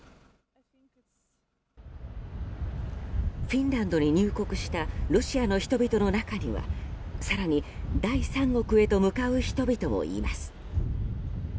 フィンランドに入国したロシアの人々の中には更に第三国へと向かう人々もいます。